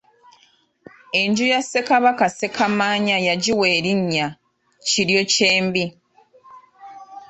Enju ya Ssekabaka Ssekamaanya yagiwa erinnya Kiryokyembi.